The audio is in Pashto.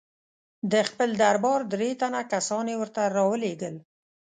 د خپل دربار درې تنه کسان یې ورته را ولېږل.